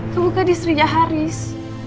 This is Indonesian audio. kamu kan istrinya haris